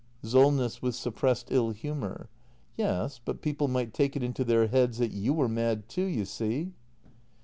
Solness. [With suppressed ill humour.] Yes, but people might take it into their heads that you were mad too, you see.